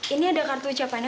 ini ada kartu ucapannya